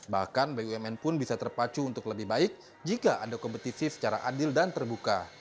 bahkan bumn pun bisa terpacu untuk lebih baik jika ada kompetisi secara adil dan terbuka